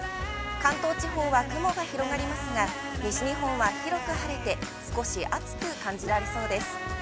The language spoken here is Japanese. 関東地方は雲が広がりますが、西日本は晴れて、少し暑く感じられそうです。